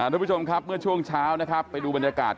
ทุกผู้ชมครับเมื่อช่วงเช้านะครับไปดูบรรยากาศ